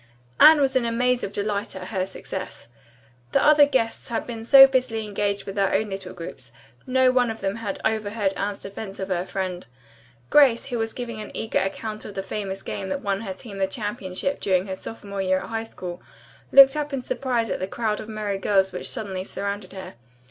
Anne was in a maze of delight at her success. The other guests had been so busily engaged with their own little groups, no one of them had overheard Anne's defense of her friend. Grace, who was giving an eager account of the famous game that won her team the championship during her sophomore year at high school, looked up in surprise at the crowd of merry girls which suddenly surrounded her.